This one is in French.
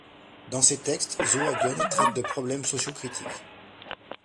Dans ses textes, Zoe Hagen traite de problèmes socio-critiques.